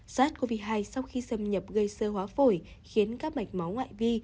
sars cov hai sau khi xâm nhập gây sơ hóa phổi khiến các mạch máu ngoại vi